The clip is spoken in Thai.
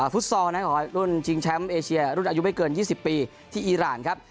ฟุตซอลของรุ่นชิงแชมป์เอเชียรุ่นอายุไม่เกิน๒๐ปีที่อีรานครับ